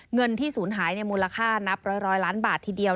เงินที่ศูนย์หายมูลค่านับร้อยล้านบาททีเดียว